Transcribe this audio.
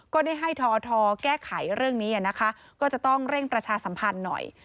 ก็ได้ให้ทอทแก้ไขเรื่องนี้นะคะก็จะต้องเร่งประชาสัมพันธ์หน่อย